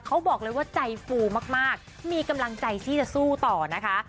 เขาบอกเลยว่าใจฟูมากมีกำลังใจที่จะสู้ต่อนะคะ